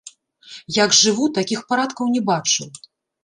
Як жыву, такіх парадкаў не бачыў!